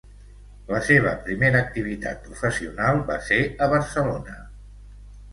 La seva primera activitat professional va ser a Barcelona.